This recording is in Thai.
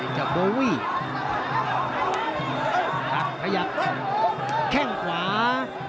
ขยับแข้งขวา